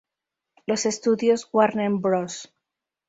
Los estudios Warner Bros.